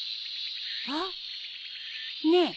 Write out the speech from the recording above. あっねえ